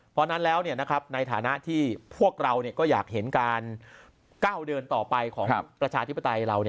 เพราะฉะนั้นแล้วในฐานะที่พวกเราก็อยากเห็นการก้าวเดินต่อไปของประชาธิปไตยเรา